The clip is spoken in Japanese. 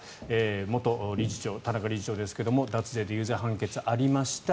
元理事長、田中理事長ですが脱税で有罪判決がありました。